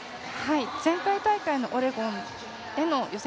前回大会のオレゴンの予想